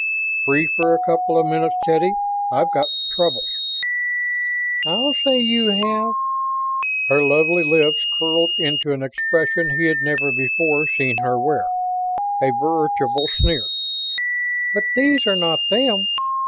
"Free for a couple of minutes, Teddy? I've got troubles." "I'll say you have." Her lovely lips curled into an expression he had never before seen her wear a veritable sneer. "But these are not them."